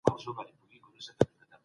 نور مخلوقات د انسان لپاره پيدا سوي دي.